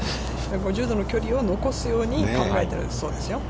５０度の距離を残すように考えているそうですよ。